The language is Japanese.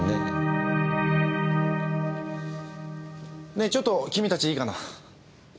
ねえちょっと君たちいいかな？